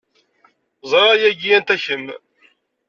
Ẓriɣ yagi anta kemm.